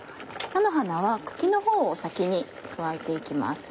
菜の花は茎のほうを先に加えて行きます。